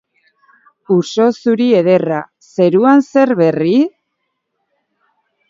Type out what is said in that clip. Uso zuri ederra, zeruan zer berri?